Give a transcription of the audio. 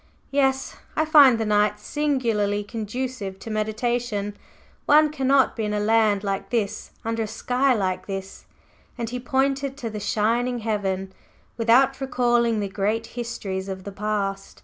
Yes, I find the night singularly conducive to meditation; one cannot be in a land like this under a sky like this" and he pointed to the shining heaven "without recalling the great histories of the past."